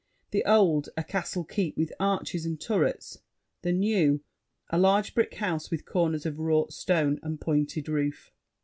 The old, a castle keep with arches and turrets: the new, a large brick house with corners of wrought stone, and pointed roof.